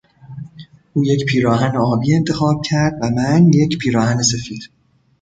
او یک پیراهن آبی انتخاب کرد و من یک پیراهن سفید.